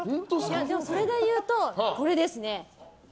それでいうと、これですね。